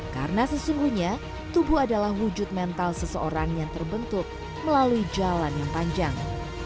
karena sesungguhnya tubuh adalah wujud mental seseorang yang terbentuk melalui jalan yang panjang